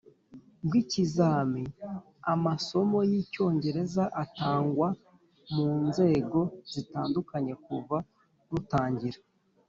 bw ikizami Amasomo y Icyongereza atangwa mu nzego zitandukanye kuva ku rutangira